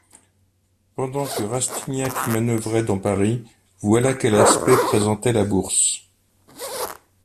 Pendant que Rastignac manœuvrait dans Paris, voilà quel aspect présentait la Bourse.